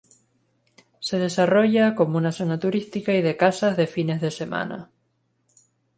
Se desarrolla como una zona turística y de casas de fines de semana.